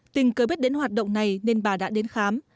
tình cớ biết đến hoạt động này nên bà đã đến khám